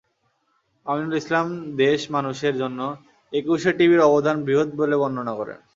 আমিনুল ইসলাম দেশ মানুষের জন্য একুশে টিভির অবদান বৃহৎ বলে বর্ণনা করেন।